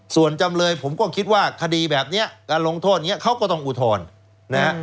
ส่วนจำเลยผมก็คิดว่าคดีแบบนี้การลงโทษนี้เขาก็ต้องอุทธรณ์นะฮะ